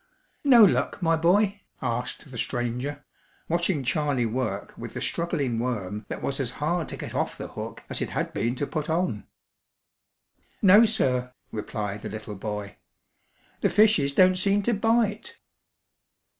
"No luck, my boy?" asked the stranger, watching Charley work with the struggling worm that was as hard to get off the hook as it had been to put on. "No, sir," replied the little boy. "The fishes don't seem to bite."